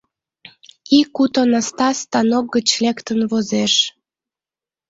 Ик уто наста станок гыч лектын возеш.